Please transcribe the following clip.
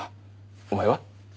お前は？